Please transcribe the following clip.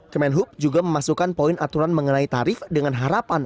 kemenhub juga memasukkan poin aturan mengenai tarif dengan harapan